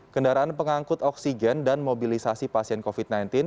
kendaraan pengangkut oksigen dan mobilisasi pasien covid sembilan belas